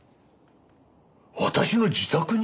私の自宅に！？